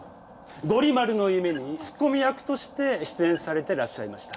「ゴリ丸の夢」にツッコミ役として出演されてらっしゃいました。